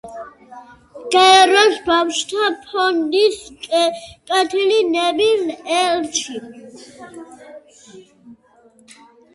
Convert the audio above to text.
გაეროს ბავშვთა ფონდის კეთილი ნების ელჩი.